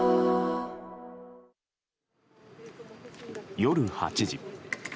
夜８時。